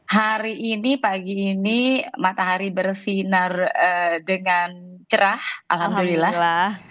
hari ini pagi ini matahari bersinar dengan cerah alhamdulillah